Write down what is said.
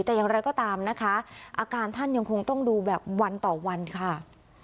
แต่อย่างไรก็ตามนะคะอาการท่านยังคงต้องดูแบบวันต่อวันค่ะ